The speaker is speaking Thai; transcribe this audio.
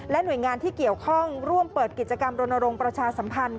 หน่วยงานที่เกี่ยวข้องร่วมเปิดกิจกรรมรณรงค์ประชาสัมพันธ์